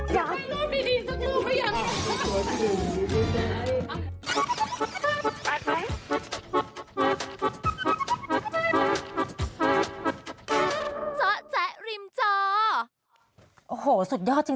ยังไม่ร่วมดีสักรูปก็ยัง